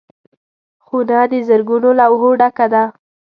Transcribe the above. خونه د زرګونو لوحو ډکه ده.